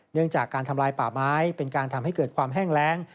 เนื่องจากการทำลายป่าไม้เป็นการทำให้เกิดความแห้งแรง